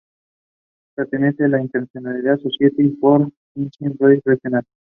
Pertenece a la International Society for Science and Religion.